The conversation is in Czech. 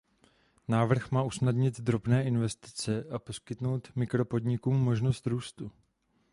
Návrh má usnadnit drobné investice a poskytnout mikropodnikům možnost růstu.